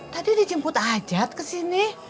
tadi dijemput ajat kesini